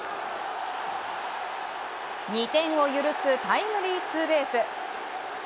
２点を許すタイムリーツーベース。